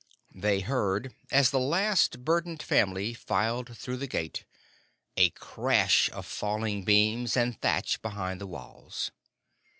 They heard, as the last burdened family filed through the gate, a crash of falling beams and thatch behind the walls.